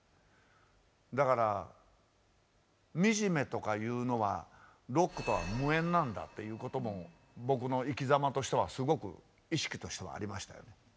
だから惨めとかいうのはロックとは無縁なんだということも僕の生きざまとしてはすごく意識としてはありましたよ。